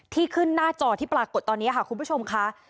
ที่ขึ้นหน้าจอที่ปรากฏตอนนี้ค่ะคุณผู้ชมค่ะ